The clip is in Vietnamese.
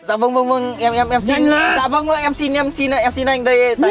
dạ vâng em xin anh